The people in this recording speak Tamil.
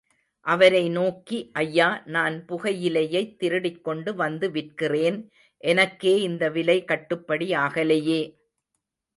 அவரை நோக்கி, ஐயா, நான், புகையிலையைத் திருடிக்கொண்டு வந்து விற்கிறேன் எனக்கே இந்த விலை கட்டுப்படி ஆகலையே?